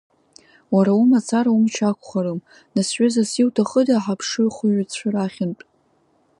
Уара умацара умч ақәхарым, нас ҩызас иуҭахыда ҳаԥшыхәҩцәа рахьынтә?